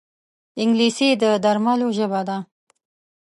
انګلیسي د درملو ژبه ده